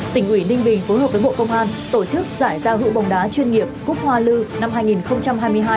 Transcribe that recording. tỉnh ủy ninh bình phối hợp với bộ công an tổ chức giải giao hữu bóng đá chuyên nghiệp cúc hoa lư năm hai nghìn hai mươi hai